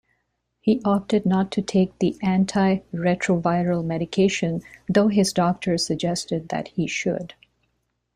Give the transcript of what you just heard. He opted not to take antiretroviral medication, though his doctors suggested that he should.